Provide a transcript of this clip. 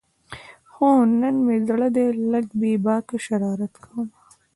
خو نن مې زړه دی لږ بې باکه شرارت کومه